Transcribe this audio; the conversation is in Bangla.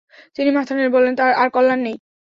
তিনি মাথা নেড়ে বললেন, আর কল্যাণ নেই।